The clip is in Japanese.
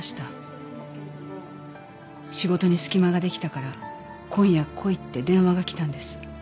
仕事に隙間が出来たから今夜来いって電話が来たんです。